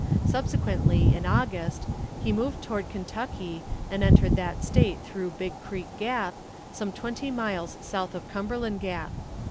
Subsequently, in August, he moved toward Kentucky, and entered that State through Big Creek Gap, some twenty miles south of Cumberland Gap.